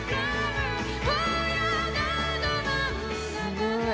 すごい。